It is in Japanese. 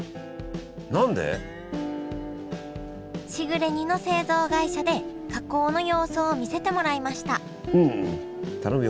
しぐれ煮の製造会社で加工の様子を見せてもらいました頼むよ